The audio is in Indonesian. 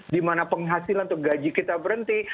dimana penghasilan atau gaji kita berhenti